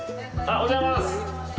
おはようございます。